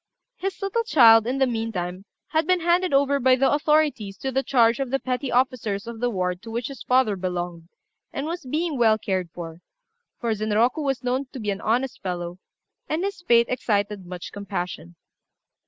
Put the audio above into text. His little child, in the meantime, had been handed over by the authorities to the charge of the petty officers of the ward to which his father belonged, and was being well cared for; for Zenroku was known to be an honest fellow, and his fate excited much compassion.